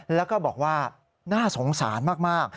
แล้วก็บอกว่าน่าสงสารมาก